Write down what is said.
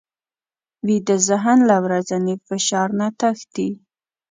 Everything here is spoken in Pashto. ویده ذهن له ورځني فشار نه تښتي